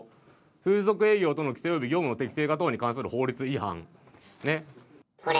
風俗営業等の規制及び業務の適正化等に関する法律違反。